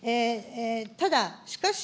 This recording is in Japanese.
ただしかし、